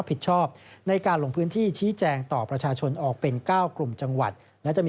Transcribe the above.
กตบอกไว้ดังนั้นสิ่งที่ไม่แน่ใจก็ไม่ควรทำ